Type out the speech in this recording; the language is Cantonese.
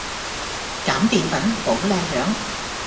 減澱粉保靚樣